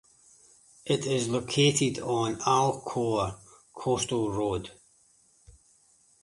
It is located on Al Khor Coastal Road.